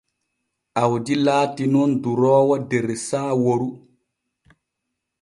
Awdi laati nun duroowo der Saaworu.